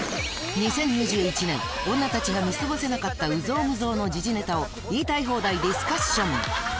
２０２１年女たちが見過ごせなかった有象無象の時事ネタを言いたい放題ディスカッション